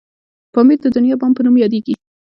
پامير د دنيا بام په نوم یادیږي.